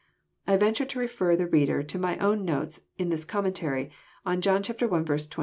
I venture to refer the reader to my own notes, in this commentary, on John i. 28 ; iii.